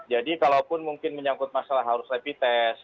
jadi kalaupun mungkin menyangkut masalah harus repitensi